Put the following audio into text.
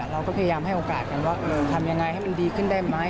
เราก็พยายามให้โอกาสกันว่าทำยังไงให้มันดีขึ้นได้ไหม